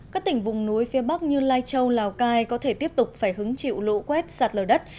các tỉnh vùng núi phía bắc như lai châu lào cai có thể tiếp tục phải hứng chịu lũ quét sạt lở đất